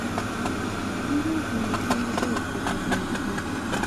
انګرېز مورخینو ډېر دروغ ویلي دي.